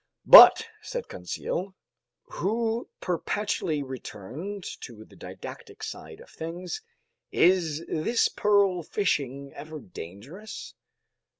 "But," said Conseil, who perpetually returned to the didactic side of things, "is this pearl fishing ever dangerous?"